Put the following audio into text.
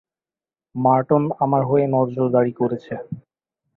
মার্টন আমার হয়ে নজরদারি করছে।